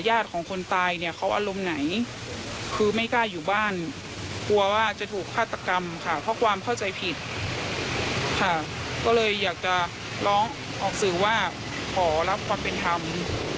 ของคนตายเนี่ยเขาอารมณ์ไหนคือไม่กล้าอยู่บ้านกลัวว่าจะถูกฆาตกรรมค่ะเพราะความเข้าใจผิดค่ะก็เลยอยากจะร้องออกสื่อว่าขอรับความเป็นธรรม